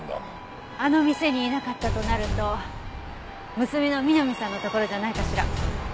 あの店にいなかったとなると娘の美波さんのところじゃないかしら？